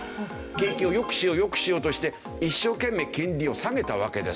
景気を良くしよう良くしようとして一生懸命金利を下げたわけですよ。